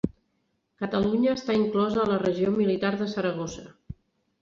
Catalunya està inclosa en la regió militar de Saragossa.